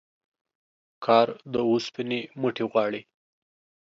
کار د اوسپني موټي غواړي